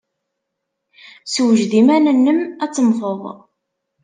Ssewjed iman-nnem ad temmted!